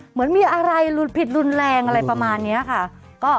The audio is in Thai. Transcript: เหมือนมีอะไรหลุดผิดรุนแรงอะไรประมาณนี้ค่ะ